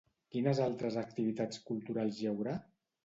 Quines altres activitats culturals hi haurà?